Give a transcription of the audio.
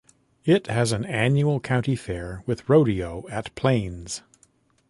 It has an annual county fair with rodeo at Plains.